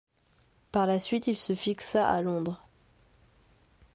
Par la suite il se fixa à Londres.